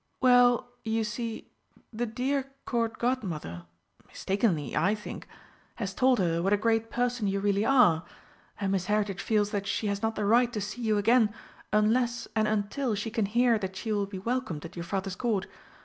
"Well, you see, the dear Court Godmother mistakenly, I think has told her what a great person you really are, and Miss Heritage feels that she has not the right to see you again unless and until she can hear that she will be welcomed at your Father's Court.